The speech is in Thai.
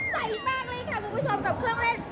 ใจมากเลยค่ะคุณผู้ชมกับเครื่องเล่น